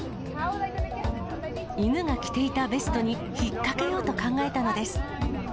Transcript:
犬が着ていたベストに引っ掛けようと考えたのです。